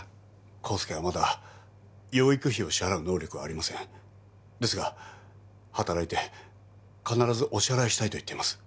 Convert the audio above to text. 康介はまだ養育費を支払う能力はありませんですが働いて必ずお支払いしたいと言っています